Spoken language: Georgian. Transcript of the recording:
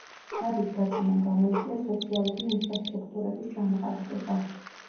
დაბის გაჩენამ გამოიწვია სოციალური ინფრასტრუქტურების ჩამოყალიბება.